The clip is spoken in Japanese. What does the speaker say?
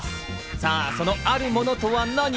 さぁ、そのあるものとは何？